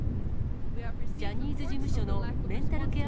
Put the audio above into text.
ジャニーズ事務所のメンタルケア